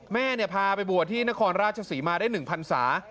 แม่พาไปบวชที่นครราชศรีมาได้๑พันศา